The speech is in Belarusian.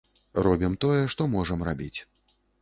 Робім тое, што можам рабіць.